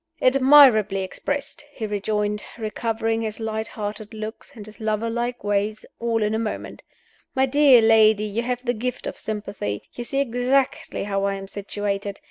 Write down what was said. "Admirably expressed!" he rejoined, recovering his light hearted looks and his lover like ways all in a moment. "My dear lady, you have the gift of sympathy; you see exactly how I am situated.